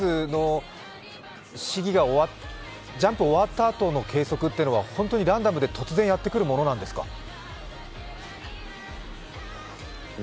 ジャンプが終わったあとの計測というのは本当にランダムで突然やってくるものなんですか？